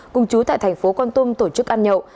cùng chú tại tp con tôm tổ chức ăn nhậu